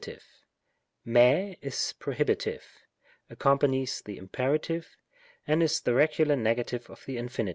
fij] is prohibitive, accompanies the Imper., and is the regular negative of the Infin.